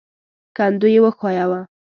کندو يې وښوياوه.